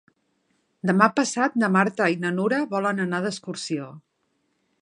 Demà passat na Marta i na Nura volen anar d'excursió.